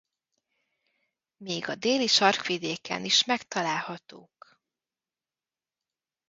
Még a Déli-sarkvidéken is megtalálhatók.